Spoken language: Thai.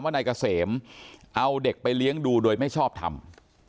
นายเกษมเอาเด็กไปเลี้ยงดูโดยไม่ชอบทำ